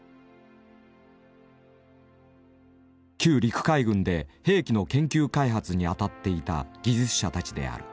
旧陸海軍で兵器の研究開発に当たっていた技術者たちである。